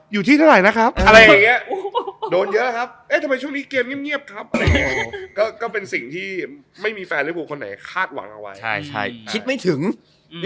กูเงียบเกรี๊บเลย